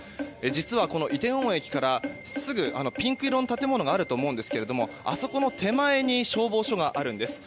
実は、イテウォン駅からすぐに、ピンク色の建物があると思うんですがあそこの手前に消防署があるんです。